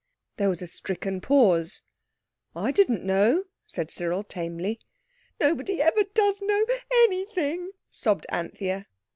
There was a stricken pause. "I didn't know," said Cyril tamely. "Nobody ever does know anything," sobbed Anthea.